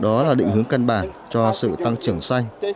đó là định hướng cân bản cho sự tăng trưởng xanh